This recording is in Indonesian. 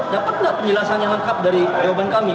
dapat nggak penjelasan yang lengkap dari jawaban kami